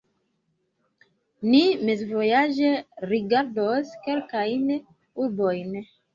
Ni mezvojaĝe rigardos kelkajn urbojn.